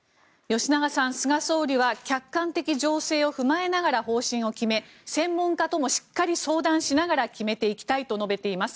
吉永さん、菅総理は客観的情勢を踏まえながら方針を決め専門家ともしっかり相談しながら決めていきたいと述べています。